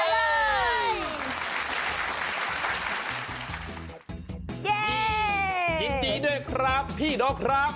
ยินดีหน่อยครับพี่ดอกครับ